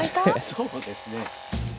そうですね。